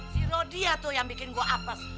si rodia tuh yang bikin gue apes